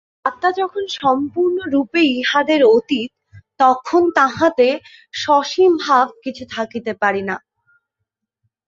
আত্মা যখন সম্পূর্ণরূপে ইহাদের অতীত, তখন তাঁহাতে সসীম ভাব কিছু থাকিতে পারে না।